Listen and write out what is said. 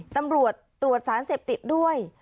ตำรวจตรวจสารเสพติดด้วย